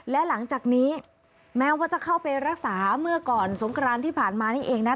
และหลังจากนี้แม้ว่าจะเข้าไปรักษาเมื่อก่อนสงครานที่ผ่านมานี่เองนะ